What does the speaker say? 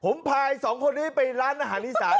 ผมพายสองคนนี้ไปร้านอาหารอีสาน